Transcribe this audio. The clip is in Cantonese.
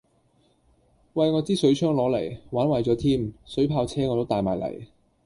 喂我支水槍攞嚟，玩壞咗添，水炮車我都帶埋嚟